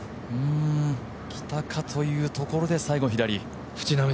きたかというところで最後に左。